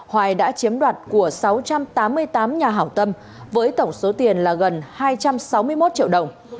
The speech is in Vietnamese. hoài đã chiếm đoạt của sáu trăm tám mươi tám nhà hảo tâm với tổng số tiền là gần hai trăm sáu mươi một triệu đồng